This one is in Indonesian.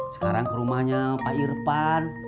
sekarang ke rumahnya pak irfan